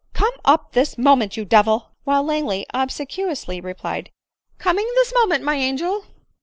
Come up this moment, you devil !" while Langley obsequiously replied, " Coming this moment, my angel